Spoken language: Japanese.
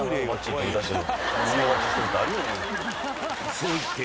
そう言って